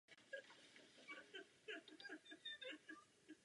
Z Nových Dvorů se jezdilo na týdenní sobotní trhy do Dačic.